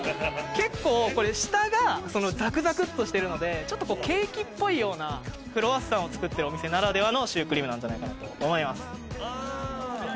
結構下がザクザクっとしてるのでちょっとケーキっぽいようなクロワッサンを作ってるお店ならではのシュークリームなんじゃないかなと思います